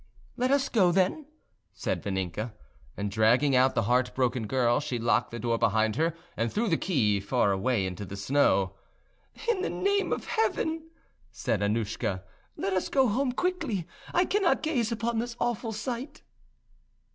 "Let us go, then," said Vaninka; and, dragging out the heart broken girl, she locked the door behind her and threw the key far away into the snow. "In the name of Heaven," said Annouschka, "let us go home quickly: I cannot gaze upon this awful sight!"